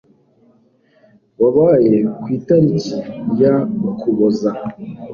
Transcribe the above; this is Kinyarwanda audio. wabaye ku itariki ya ukuboza